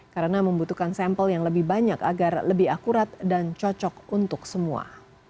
karena membutuhkan sampel yang lebih banyak agar lebih akurat dan cocok untuk semua